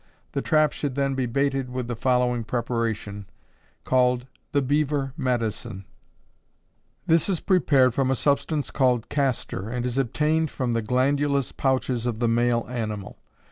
The trap should then be baited with the following preparation, called "The Beaver Medicine." This is prepared from a substance called castor, and is obtained from the glandulous pouches of the male animal.